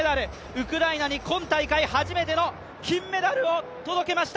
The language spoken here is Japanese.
ウクライナに今大会初めての金メダルを届けました。